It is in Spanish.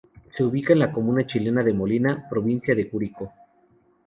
Se ubica en la comuna chilena de Molina, provincia de Curicó.